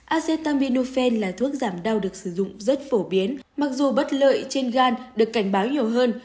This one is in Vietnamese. acetaminophen là thuốc giảm đau được sử dụng rất phổ biến mặc dù bất lợi trên gan được cảnh báo nhiều hơn